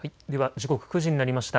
時刻９時になりました。